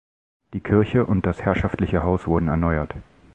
Die Kirche und das herrschaftliche Haus wurden erneuert.